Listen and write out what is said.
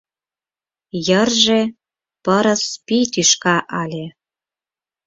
Йырже пырыс-пий тӱшка ыле.